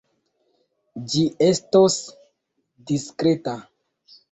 Ĝi estos diskreta.